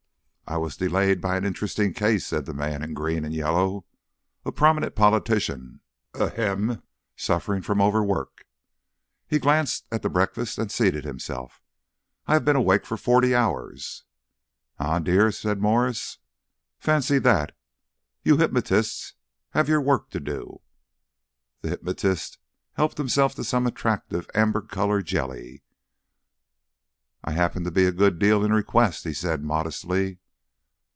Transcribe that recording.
"I was delayed by an interesting case," said the man in green and yellow. "A prominent politician ahem! suffering from overwork." He glanced at the breakfast and seated himself. "I have been awake for forty hours." "Eh dear!" said Mwres: "fancy that! You hypnotists have your work to do." The hypnotist helped himself to some attractive amber coloured jelly. "I happen to be a good deal in request," he said modestly.